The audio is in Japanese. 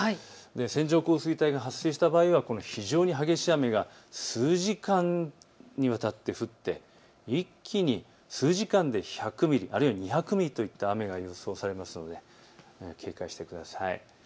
線状降水帯が発生した場合は非常に激しい雨が数時間にわたって降って一気に数時間で１００ミリ、あるいは２００ミリといった雨が予想されますので警戒してください。